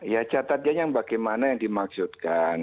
ya catatnya yang bagaimana yang dimaksudkan